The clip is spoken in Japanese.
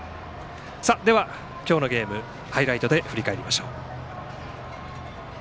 では、今日のゲームハイライトで振り返りましょう。